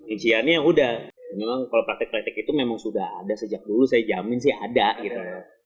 isiannya udah memang kalau praktik praktik itu memang sudah ada sejak dulu saya jamin sih ada gitu